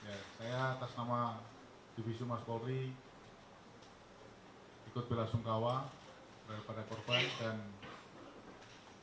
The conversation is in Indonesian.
dan selain kewaspadaan kota polri kita juga lebih meningkatkan lagi pengamanan kepada masyarakat